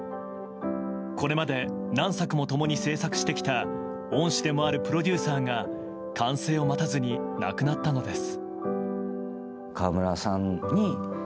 これまで何作も共に制作してきた恩師でもあるプロデューサーが完成を待たずに亡くなったのです。